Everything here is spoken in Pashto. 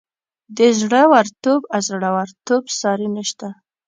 د زړه ورتوب او زورورتوب ساری نشته.